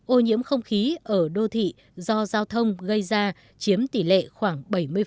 ô nhiễm không khí ở đô thị do giao thông gây ra chiếm tỷ lệ khoảng bảy mươi